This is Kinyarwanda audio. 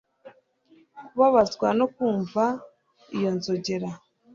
Kubabazwa no kumva Iyo inzogera